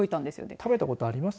食べたことあります。